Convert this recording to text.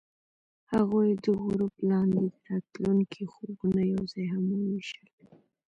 هغوی د غروب لاندې د راتلونکي خوبونه یوځای هم وویشل.